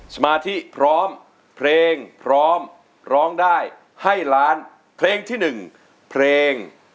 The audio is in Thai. สมาธิพร้อมเพลงพร้อมร้องได้ให้ล้านเพลงที่หนึ่งเพลง